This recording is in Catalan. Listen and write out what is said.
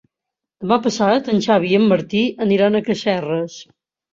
Demà passat en Xavi i en Martí aniran a Casserres.